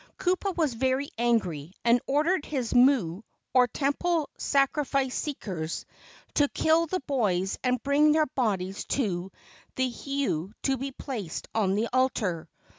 Kupa was very angry, and ordered his mu, or temple sacri¬ fice seekers, to kill the boys and bring their bodies to the heiau to be placed on the altar.